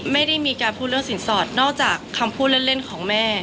ไม่ได้มีการพูดเรื่องสินสอดนอกจากคำพูดเล่นของแม่